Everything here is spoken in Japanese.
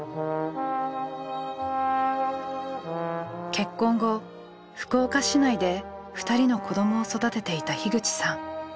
結婚後福岡市内で２人の子どもを育てていた口さん。